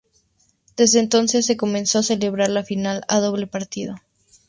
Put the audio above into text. Desde entonces se comenzó a celebrar la final, a doble partido.